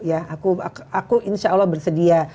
ya aku insya allah bersedia